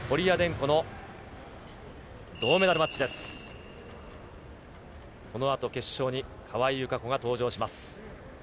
このあと決勝に川井友香子が登場します。